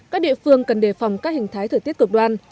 các địa phương cần đề phòng các hình thái thời tiết cực đoan